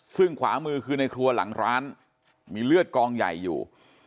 ซึ่งขวามือคือในครัวหลังร้านมีเลือดกองใหญ่อยู่